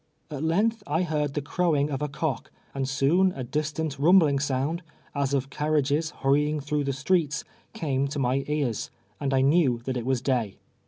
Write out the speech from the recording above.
At length I heard the crowing of a cock, and soon a distant rumbling sound, as of car riages hurrying thnnigh the streets, came to my ears, and I knew that it was day.